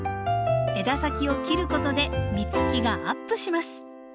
枝先を切ることで実つきがアップします。